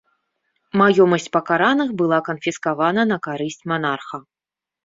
Маёмасць пакараных была канфіскавана на карысць манарха.